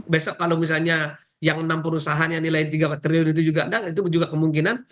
besok kalau misalnya yang enam perusahaan yang nilai tiga triliun itu juga enggak itu juga kemungkinan